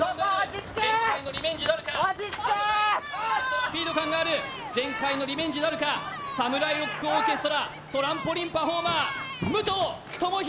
スピード感がある前回のリベンジなるかサムライ・ロック・オーケストラトランポリンパフォーマー武藤智広